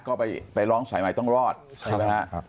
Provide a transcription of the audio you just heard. ก็ไปล้องสายไมค์ต้องรอดใช่ไหมครับ